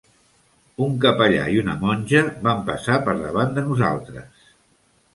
Un capellà i una monja van passar per davant de nosaltres.